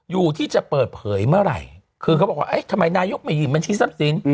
อยู่ที่จะเปิดเผยเมื่อไหร่คือเขาบอกว่าเอ๊ะทำไมนายกไม่หยิบบัญชีทรัพย์สิน